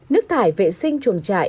nước thải vệ sinh chuồng trại